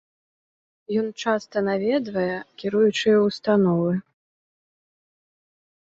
Ён часта наведвае кіруючыя ўстановы.